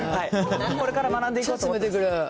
これから学んでいこうと思ってます。